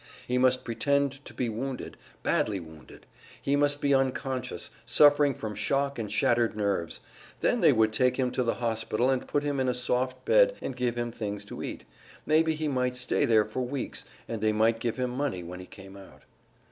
He must pretend to be wounded, badly wounded; he must be unconscious, suffering from shock and shattered nerves; then they would take him to the hospital and put him in a soft bed and give him things to eat maybe he might stay there for weeks, and they might give him money when he came out.